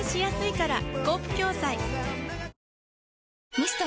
ミスト？